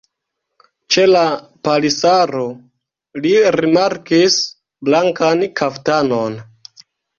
Ĉe la palisaro li rimarkis blankan kaftanon.